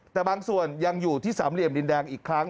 แต่บางส่วนยังอยู่ที่สามเหลี่ยมดินแดงอีกครั้ง